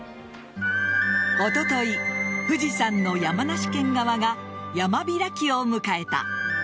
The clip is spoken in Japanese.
おととい、富士山の山梨県側が山開きを迎えた。